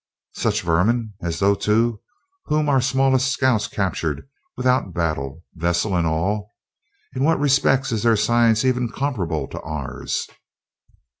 "Such vermin as those two whom one of our smallest scouts captured without a battle, vessel and all? In what respects is their science even comparable to ours?"